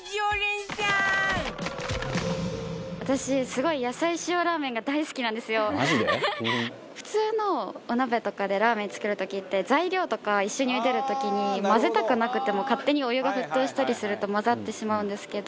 私すごい普通のお鍋とかでラーメン作る時って材料とか一緒に茹でる時に混ぜたくなくても勝手にお湯が沸騰したりすると混ざってしまうんですけど。